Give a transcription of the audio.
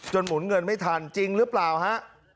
หมุนเงินไม่ทันจริงหรือเปล่าฮะ